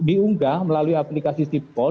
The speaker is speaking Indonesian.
dan kita juga akan menggunakan aplikasi sipol